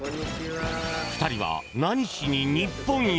２人は何しに日本へ？